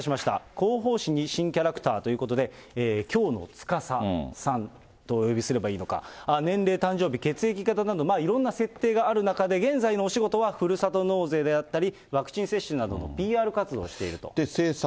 広報紙に新キャラクターということで、京乃つかささんとお呼びすればいいのか、年齢、誕生、血液型など、いろんな設定がある中で、現在のお仕事はふるさと納税であったり、ワクチン接種などのＰＲ活動をしていると。